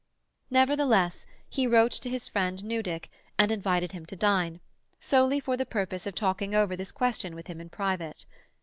Nevertheless, he wrote to his friend Newdick, and invited him to dine, solely for the purpose of talking over this question with him in private.